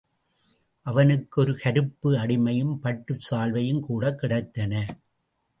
அவனுக்கு ஒரு கருப்பு அடிமையும் பட்டுச் சால்வையும் கூடக் கிடைத்தன.